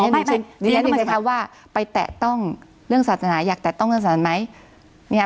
อ๋อไม่เรียกได้ว่าไปแตะต้องเรื่องสาธารณะอยากแตะต้องเรื่องสาธารณะไหม